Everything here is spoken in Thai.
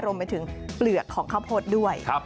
รวมไปถึงเปลือกของข้าวโพดด้วย